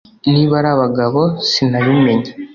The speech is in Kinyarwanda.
Niba ari abagabo sinabimenye